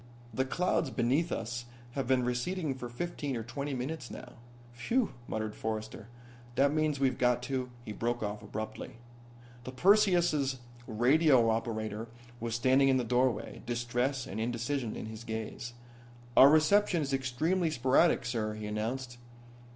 The clouds beneath us have been receding for fifteen or twenty minutes now." "Phew!" muttered Forrester. "That means we've got to " He broke off abruptly. The Perseus' radio operator was standing in the doorway, distress and indecision in his gaze. "Our reception is extremely sporadic, sir," he announced.